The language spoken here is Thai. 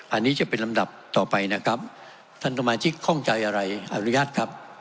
อันนี้จะเป็นลำดับต่อไปนะครับท่านสมาชิกข้องใจอะไรอนุญาตครับ